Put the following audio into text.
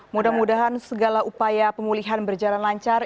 mudah mudahan segala upaya pemulihan berjalan lancar